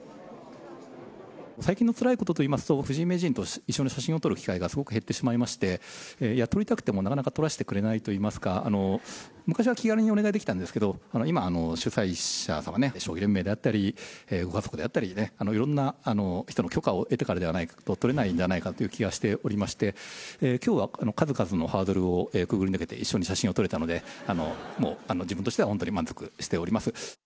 最近のつらいことといいますと、藤井名人と一緒に写真を撮る機会がすごく減ってしまいまして、撮りたくてもなかなか撮らせてくれないといいますか、昔は気軽にお願いできたんですけど、今、主催者さんとか、将棋連盟であったり、ご家族であったりね、いろんな人の許可を得てからでないと撮れないんではないかという気がしておりまして、きょうは数々のハードルをくぐり抜けて一緒に写真を撮れたので、もう自分としては本当に満足しております。